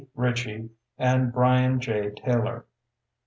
Ritchie, and Bryan J. Taylor.